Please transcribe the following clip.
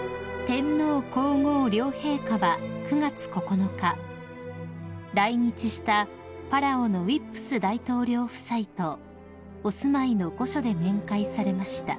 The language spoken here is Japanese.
［天皇皇后両陛下は９月９日来日したパラオのウィップス大統領夫妻とお住まいの御所で面会されました］